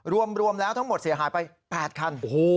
รวมแล้วทั้งหมดเสียหายไป๘คัน